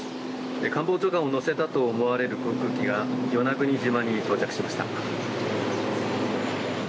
官房長官を乗せたと思われる航空機が与那国島に到着しました。